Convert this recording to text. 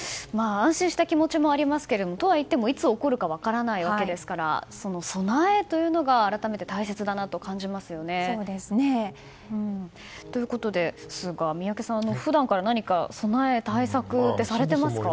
安心した気持ちもありますがとはいってもいつ起こるか分からないわけですからその備えというのが改めて大切だなと感じますよね。ということですが宮家さんは普段から、何か備え、対策はされていますか？